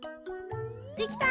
できた！